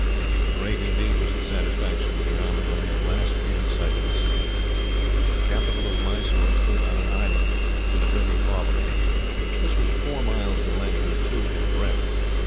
Great indeed was the satisfaction of the army when they at last came in sight of the city. The capital of Mysore stood on an island, in the river Cauvery. This was four miles in length, and two in breadth.